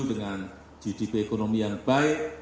dengan gdp ekonomi yang baik